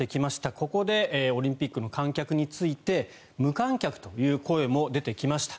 ここでオリンピックの観客について無観客という声も出てきました。